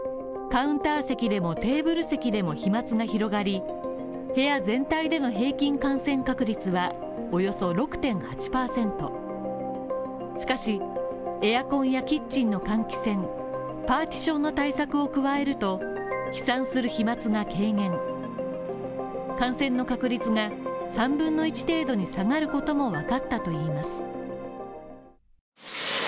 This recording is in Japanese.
カウンター席でもテーブル席でも飛沫が広がり、部屋全体での平均感染確率はおよそ６．８％しかし、エアコンやキッチンの換気扇パーティションの対策を加えると飛散する飛沫が軽減、感染の確率が３分の１程度に下がることもわかったといいます。